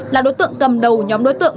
là đối tượng cầm đầu nhóm đối tượng